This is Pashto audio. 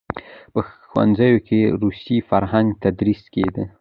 په ښوونځیو کې روسي فرهنګ تدریس کېده.